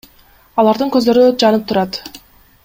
Алардын көздөрү жанып турат.